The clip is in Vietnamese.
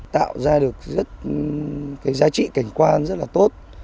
tạo ra được cái giá trị cảnh quan rất là tốt